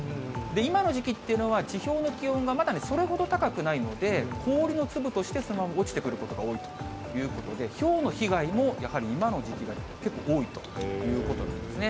今の時期っていうのは、地表の気温が、まだね、それほど高くないので、氷の粒として、そのまま落ちてくることが多いということで、ひょうの被害も、やはり今の時期が結構、多いということなんですね。